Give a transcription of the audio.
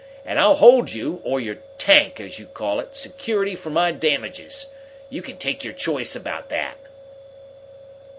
And I'll hold you, or your tank, as you call it, security for my damages! You can take your choice about that."